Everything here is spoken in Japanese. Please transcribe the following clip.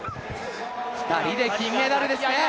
２人で金メダルですね！